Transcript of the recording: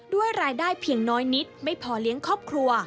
ด้วยรายได้เพียงน้อยนิดไม่พอเลี้ยงครอบครัว